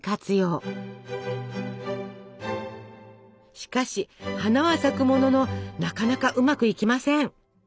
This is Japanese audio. しかし花は咲くもののなかなかうまくいきません。